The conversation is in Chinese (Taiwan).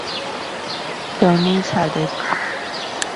當尼采哭泣